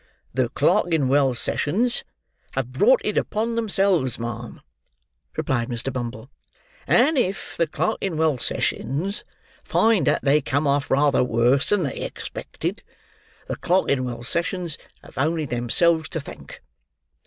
"The Clerkinwell Sessions have brought it upon themselves, ma'am," replied Mr. Bumble; "and if the Clerkinwell Sessions find that they come off rather worse than they expected, the Clerkinwell Sessions have only themselves to thank."